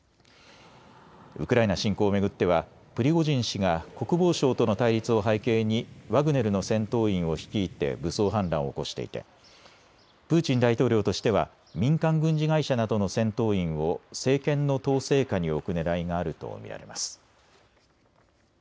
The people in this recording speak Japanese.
ウクライナ侵攻を巡ってはプリゴジン氏が国防省との対立を背景にワグネルの戦闘員を率いて武装反乱を起こしていてプーチン大統領としては民間軍事会社などの戦闘員を政権の統制下に置くねらいがあると見られます。